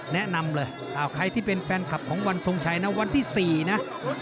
แนะนำเลยใครที่เป็นแฟนคลับของวันที่๔นะ